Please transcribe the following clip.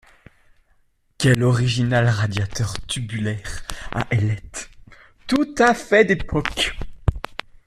Quel original radiateur tubulaire à ailettes, tout à fait d'époque!